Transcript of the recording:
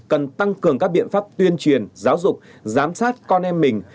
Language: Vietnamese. cần tăng cường các biện pháp tuyên truyền giáo dục giám sát con em mình